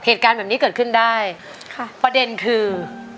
เหตุการณ์แบบนี้เกิดขึ้นได้ค่ะประเด็นคือ